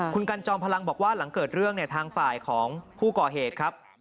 คุณกันจอมพลังบอกว่าหลังเกิดเรื่องเนี่ยทางฝ่ายของผู้ก่อเหตุครับ